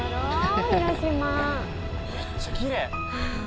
めっちゃきれい！